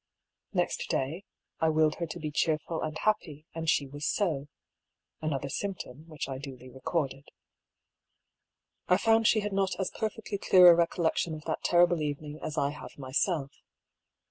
Next day, I willed her to be cheerful and happy, and she was so. (Another symptom, which I duly re corded.) I found she had not as perfectly clear a recollection of that terrible evening as I have myself.